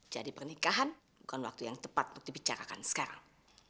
jadi pernikahan bukan waktu yang tepat untuk dibicarakan sekarang